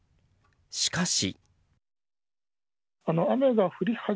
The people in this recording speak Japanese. しかし。